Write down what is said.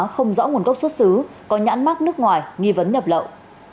không rõ nguồn gốc xuất xứ có nhãn mắc nước ngoài nghi vấn nhập lậu